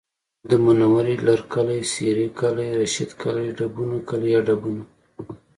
د منورې لرکلی، سېرۍ کلی، رشید کلی، ډبونو کلی یا ډبونه